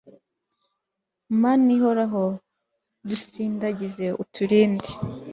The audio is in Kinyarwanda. mana ihoraho dusindagize uturinde